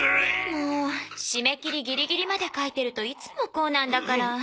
もう締め切りギリギリまで書いてるといつもこうなんだから。